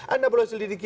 anda berhasil didikin